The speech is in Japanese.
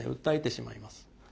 訴えてしまいます。